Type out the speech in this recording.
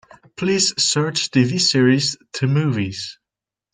Please search TV series The Movies.